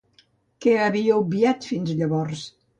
Què havia obviat fins llavors?